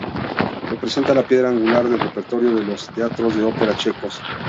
Representa la piedra angular del repertorio de los teatros de ópera checos.